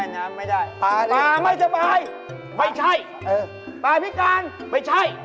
ปลาอะไรว่ายน้ำไม่ได้